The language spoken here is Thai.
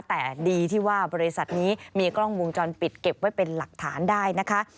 แต่ดีที่ว่าบริษัทนี้มีกล้องวงจรปิดเก็บไว้เป็นหลักฐานได้นะคะ